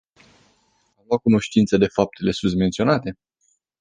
A luat cunoștință de faptele susmenționate?